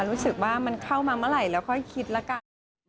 รู้สึกว่ามันเข้ามาเมื่อไหร่แล้วค่อยคิดละกัน